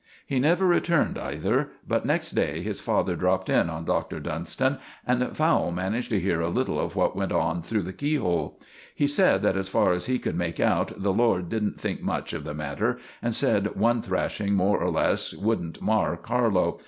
He never returned either, but next day his father dropped in on Doctor Dunston, and Fowle managed to hear a little of what went on through the key hole. He said that as far as he could make out the lord didn't think much of the matter, and said one thrashing more or less wouldn't mar Carlo.